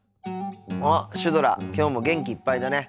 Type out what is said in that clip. あっシュドラきょうも元気いっぱいだね。